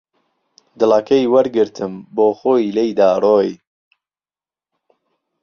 دڵهکهی وهرگرتم، بۆ خۆی لێیدا رۆی